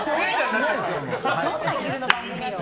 どんな昼の番組よ。